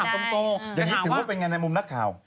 อย่างนี้ถึงว่าเป็นอย่างไรในมุมนักข่าว